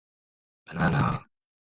Banana